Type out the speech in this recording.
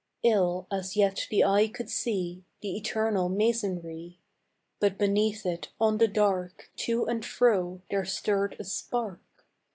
Ill as yet the eye could see The eternal masonry, But beneath it on the dark To and fro there stirred a spark.